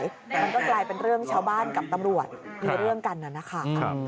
มันก็กลายเป็นเรื่องชาวบ้านกับตำรวจมีเรื่องกันน่ะนะคะ